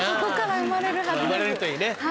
生まれるといいね。